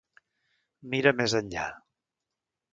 Mira més enllà.